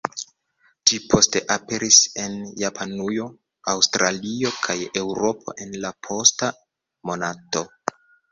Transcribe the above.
Ĝi poste aperis en Japanujo, Aŭstralio kaj Eŭropo en la posta monato.